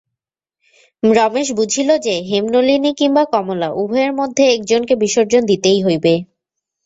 রমেশ বুঝিল যে, হেমনলিনী কিংবা কমলা উভয়ের মধ্যে একজনকে বিসর্জন দিতেই হইবে।